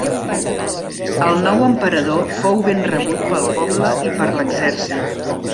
El nou emperador fou ben rebut pel poble i per l'exèrcit.